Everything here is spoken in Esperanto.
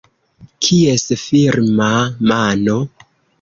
Kies firma mano?